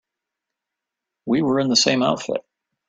We were in the same outfit.